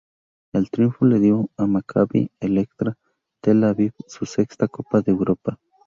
El triunfo le dio a Maccabi Electra Tel Aviv su sexta Copa de Europa.